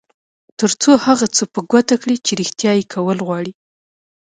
تر څو هغه څه په ګوته کړئ چې رېښتيا یې کول غواړئ.